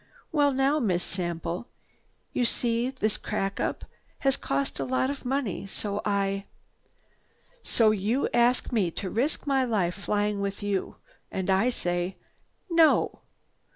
"Well now, Miss Sample, you see this crack up has cost a lot of money. So I—" "So you ask me to risk my life flying with you. And I say 'No!